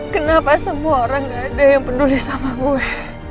kenapa semua orang gak ada yang peduli sama gue